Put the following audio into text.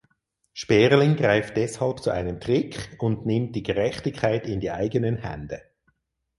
Sperling greift deshalb zu einem Trick und nimmt die Gerechtigkeit in die eigenen Hände.